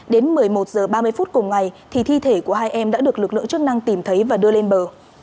đến một mươi một h ba mươi phút cùng ngày thì thi thể của hai em đã được lực lượng chức năng tìm thấy và đưa lên bờ